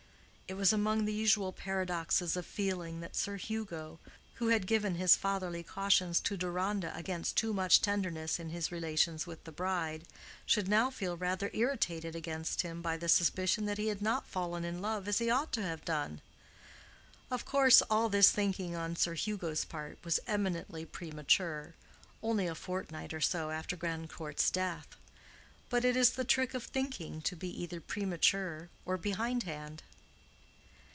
It was among the usual paradoxes of feeling that Sir Hugo, who had given his fatherly cautions to Deronda against too much tenderness in his relations with the bride, should now feel rather irritated against him by the suspicion that he had not fallen in love as he ought to have done. Of course all this thinking on Sir Hugo's part was eminently premature, only a fortnight or so after Grandcourt's death. But it is the trick of thinking to be either premature or behind hand.